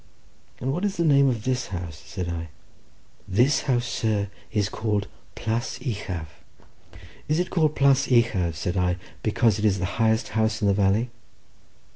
"And what is the name of this house?" said I. "This house, sir, is called Plas Uchaf." "Is it called Plas Uchaf," said I, "because it is the highest house in the valley?"